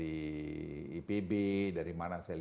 itu juga kebijakan yang penting